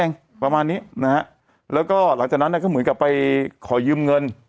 ประมาณนี้นะฮะแล้วก็หลังจากนั้นเนี่ยก็เหมือนกับไปขอยืมเงิน